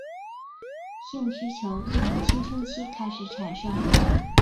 性需求从青春期开始产生。